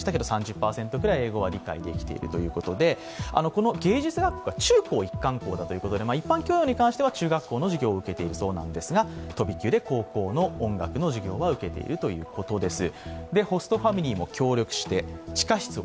この芸術学校が中高一貫校だということで、一般教養に関しては中学校の授業を受けているそうですが、飛び級で高校の音楽の授業は受けているということです。